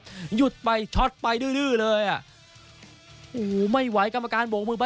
ครับหยุดไปช็อตไปดื้อเลยอ่ะอูไม่ไหวกรรมการโบกมือ